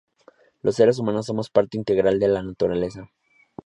Los seres humanos somos parte integral de la naturaleza.